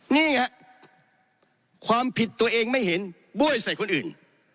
นี่ไงความผิดตัวเองไม่เห็นบ้วยใส่คนอื่น